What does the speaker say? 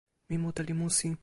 mi mute li musi.